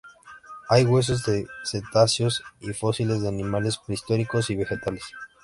Hay huesos de cetáceos y fósiles de animales prehistóricos y vegetales.